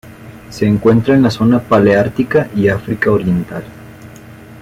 Se encuentra en la zona paleártica y África oriental.